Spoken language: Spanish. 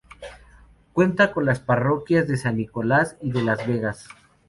Cuenta con las parroquias de San Nicolás y de las Vegas.